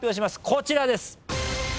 こちらです。